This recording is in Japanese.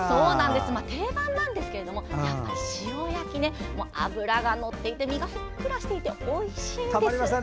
定番なんですけども塩焼き、脂がのっていて身がふっくらしていておいしいんですよ。